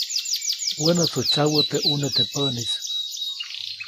Wänätsu tsyawä teʼ ʼune teʼ päʼnis.